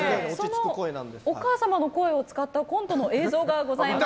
お母様の声を使ったコントの映像がございます。